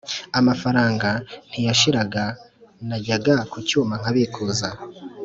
amafaranga ntiyashiraga najyaga kucyuma nkabikuza